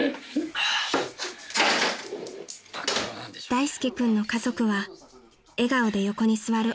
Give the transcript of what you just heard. ［大介君の家族は笑顔で横に座る］